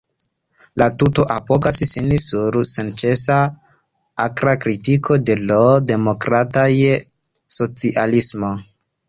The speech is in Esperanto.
La tuto apogas sin sur senĉesa akra kritiko de l‘ demokrataj socialistoj.